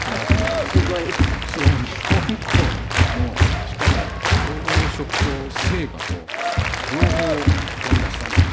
それの日本校のしかも洋食と製菓と両方やりだしたんですよ。